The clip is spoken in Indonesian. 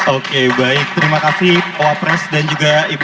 oke baik terima kasih pak wapres dan juga ibu